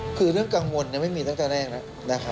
มคือเรื่องกังวลนะไม่มีตั้งแต่แรกนะนะคะ